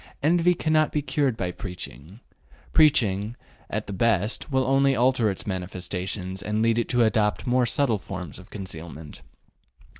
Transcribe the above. Envy cannot be cured by preaching; preaching, at the best, will only alter its manifestations and lead it to adopt more subtle forms of concealment.